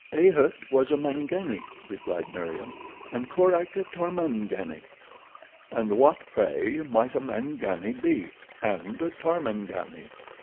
"A'ht was a Mangani," replied Meriem, "and Korak a Tarmangani." "And what, pray, might a Mangani be, and a Tarmangani?"